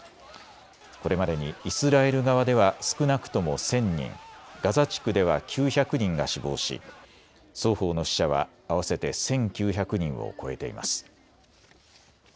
これまでにイスラエル側では少なくとも１０００人、ガザ地区では９００人が死亡し双方の死者は合わせて１９００人を超えています。